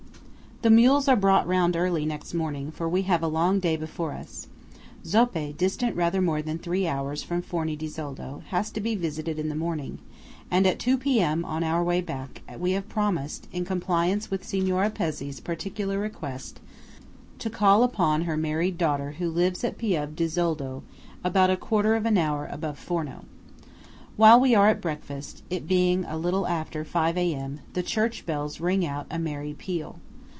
The mules are brought round early next morning, for we have a long day before us. Zoppé, distant rather more than three hours from Forno di Zoldo, has to be visited in the morning; and at two P.M., on our way back, we have promised, in compliance with Signora Pezzé's particular request, to call upon her married daughter who lives at Pieve di Zoldo, about a quarter of an hour above Forno. While we are at breakfast, it being then a little after five A.M., the church bells ring out a merry peal.